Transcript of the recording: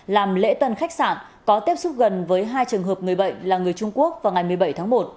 làm lễ tân khách sạn có tiếp xúc gần với hai trường hợp người bệnh là người trung quốc vào ngày một mươi bảy tháng một